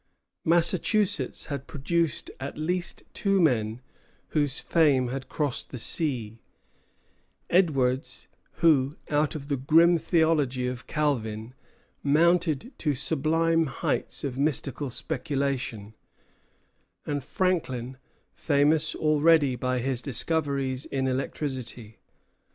Massachusetts had produced at least two men whose fame had crossed the sea, Edwards, who out of the grim theology of Calvin mounted to sublime heights of mystical speculation; and Franklin, famous already by his discoveries in electricity.